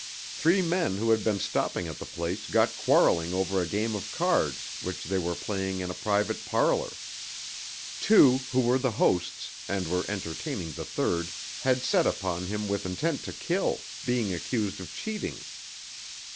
Three men who had been stopping at the place got quarrelling over a game of cards which they were playing in a private parlour. Two, who were the hosts, and were entertaining the third, had set upon him with intent to kill, being accused of cheating.